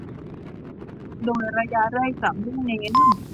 โดยระยะแรกจะมุ่งเน้น